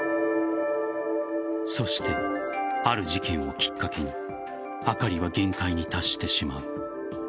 そして、ある事件をきっかけにあかりは限界に達してしまう。